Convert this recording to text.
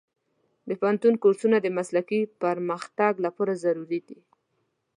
د پوهنتون کورسونه د مسلکي پرمختګ لپاره ضروري دي.